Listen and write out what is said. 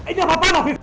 ini apa apaan afif